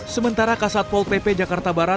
sementara kasat pol pp jakarta